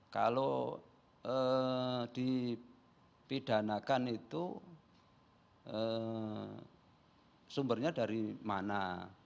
kalau dipidanakan itu sumbernya dari mana